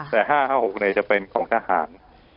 แต่๕๕๖จะเป็นของทหาร